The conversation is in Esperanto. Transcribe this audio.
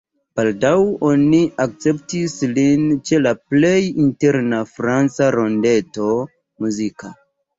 Baldaŭ oni akceptis lin ĉe la plej interna franca rondeto muzika.